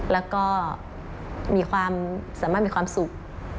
แล้วก็สามารถมีความสุข